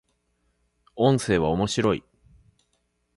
音声は、面白い